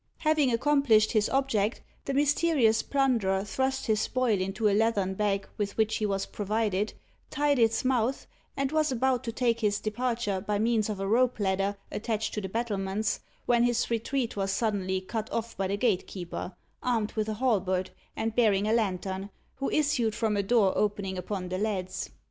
Having accomplished his object, the mysterious plunderer thrust his spoil into a leathern bag with which he was provided, tied its mouth, and was about to take his departure by means of a rope ladder attached to the battlements, when his retreat was suddenly cut off by the gatekeeper, armed with a halberd, and bearing a lantern, who issued from a door opening upon the leads.